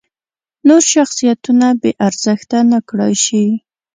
نور شخصیتونه بې ارزښته نکړای شي.